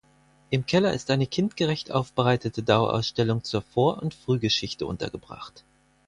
Im Keller ist eine kindgerecht aufbereitete Dauerausstellung zur Vor- und Frühgeschichte untergebracht.